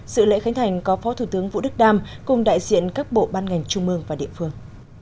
sự lễ khánh thành có phó thủ tướng vũ đức đam cùng đại diện các bộ ban ngành trung mương và địa phương